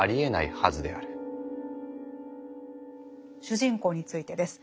主人公についてです。